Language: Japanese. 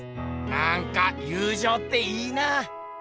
なんか友じょうっていいなあ。